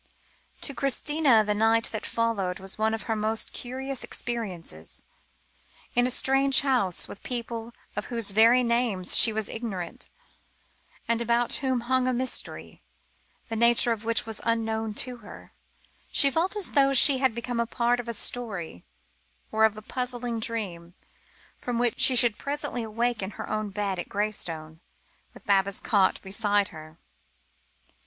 To Christina the night that followed was one of her most curious experiences. In a strange house, with people of whose very names she was ignorant, and about whom hung a mystery, the nature of which was unknown to her, she felt as though she had become part of a story, or of a puzzling dream, from which she should presently awake in her own bed at Graystone, with Baba's cot beside her.